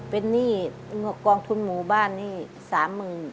เป็นหนี้งบกองทุนหมู่บ้านหนี้สามหมื่น